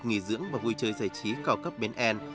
nghỉ dưỡng và vui chơi giải trí cao cấp bên n